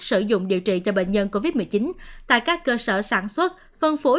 sử dụng điều trị cho bệnh nhân covid một mươi chín tại các cơ sở sản xuất phân phối